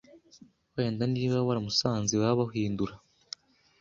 wenda niba waramusanze iwabo hindura